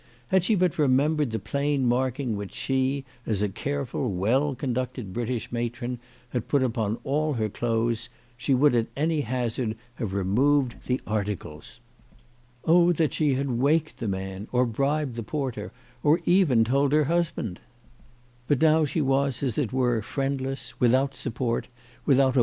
Had she but remembered the plain marking which she, as a careful, well conducted British matron, had put upon all her clothes, she would at an^ hazard have recovered the article. Oh that she had waked the man, or bribed the porter, or even told her husband ! But now she was, as it were, friendless, without support, without a 236 CHRISTMAS AT THOMPSON HALL.